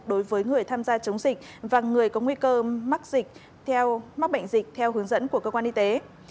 đối với người tham gia chống dịch và người có nguy cơ mắc bệnh dịch theo hướng dẫn của cơ quan y tế